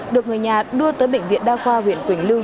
được người nhà đưa tới bệnh viện đa khoa huyện quỳnh lưu